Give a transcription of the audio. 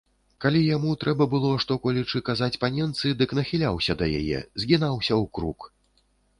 Калі яму трэба было што-колечы казаць паненцы, дык нахіляўся да яе, згінаўся ў крук.